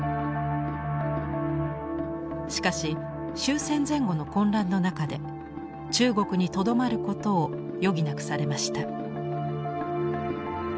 しかし終戦前後の混乱の中で中国にとどまることを余儀なくされました。